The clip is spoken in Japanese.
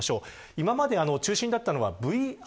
今まで中心だったのがＶＲ。